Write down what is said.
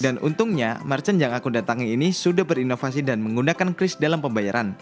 dan untungnya merchant yang aku datangin ini sudah berinovasi dan menggunakan kris dalam pembayaran